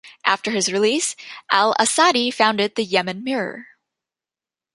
After his release, Al-Asadi founded the "Yemen Mirror".